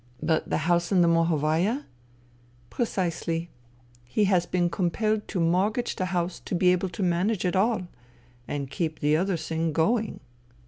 ..."" But the house in the Mohovaya ?"" Precisely. He has been compelled to mortgage the house to be able to manage at all ... and keep the other thing going."